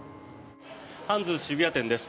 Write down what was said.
ハンズ渋谷店です。